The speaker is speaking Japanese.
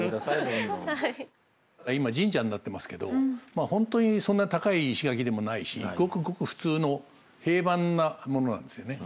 今神社になってますけど本当にそんな高い石垣でもないしごくごく普通の平板なものなんですよね。